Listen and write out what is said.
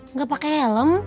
nggak pakai helm